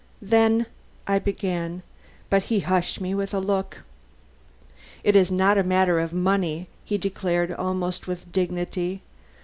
"Then " I began. But he hushed me with a look. "It is not a matter of money," he declared almost with dignity.